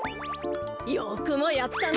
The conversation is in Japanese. よくもやったな。